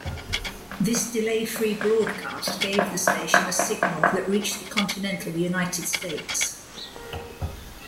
This delay-free broadcast gave the station a signal that reached the continental United States.